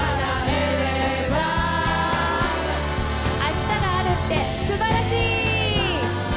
あしたがあるってすばらしい！